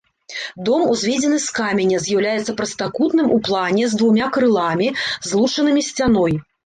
Дом узведзены з каменя, з'яўляецца прастакутным ў плане з двума крыламі, злучанымі сцяной.